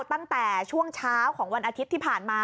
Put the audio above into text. ตั้งแต่ช่วงเช้าของวันอาทิตย์ที่ผ่านมา